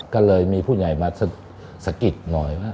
ก็เลยมีผู้ใหญ่มาสะกิดหน่อยว่า